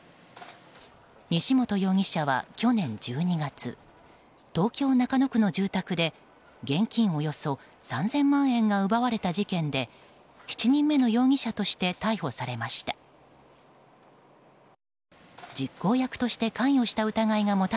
西本容疑者は去年１２月東京・中野区の住宅で現金およそ３０００万円が奪われた事件で７人目の容疑者として逮捕されました。